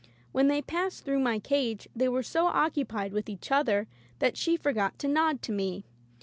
When they passed through my cage they were so occupied with each other that she forgot to nod to me.